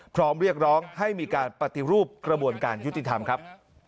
พร้อมเรียกร้องให้มีการปฏิรูปกระบวนการยุติธรรมครับ